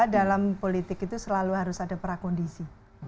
dalam politik itu selalu harus ada prakondisi